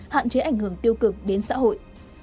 hạn chế ảnh hưởng tiêu cực đến xã hội